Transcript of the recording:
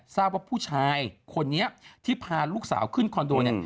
ทราบว่าผู้ชายคนนี้ที่พาลูกสาวขึ้นคอนโดเนี่ย